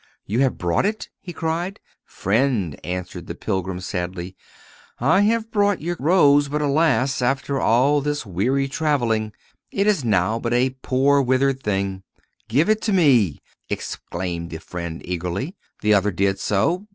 'You have brought it?' he cried. 'Friend,' answered the pilgrim, sadly, 'I have brought your rose; but, alas! After all this weary travelling it is now but a poor, withered thing.' 'Give it me!' exclaimed the friend, eagerly. The other did so.